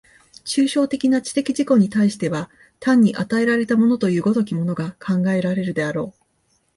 抽象的な知的自己に対しては単に与えられたものという如きものが考えられるであろう。